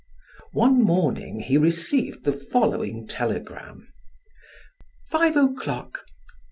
One morning he received the following telegram: "Five o'clock.